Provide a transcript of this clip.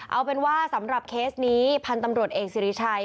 เอาเป็นว่าสำหรับเคสนี้พันธุ์ตำรวจเอกสิริชัย